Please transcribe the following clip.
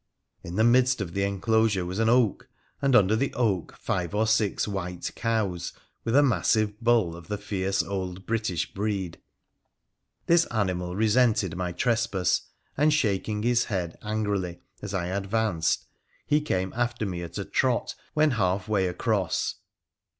In the midst of the enclosure was an oak, and under the oak five or six whito cows, with a massive bull of the fierce old British breed. This animal resented my trespass, and, shaking his head angrily as I advanced, he came after me at a trot when half way across.